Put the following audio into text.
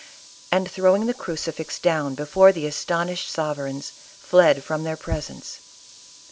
and, throwing the crucifix down before the astonished sovereigns, fled from their presence.